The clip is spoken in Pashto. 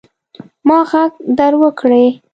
ما ږغ در وکړئ.